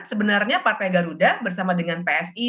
sebenarnya partai garuda bersama dengan psi